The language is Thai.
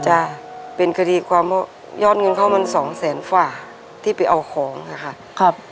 จะเป็นคดีความเพราะยอดเงินเขามันสองแสนฝ่าที่ไปเอาของค่ะครับ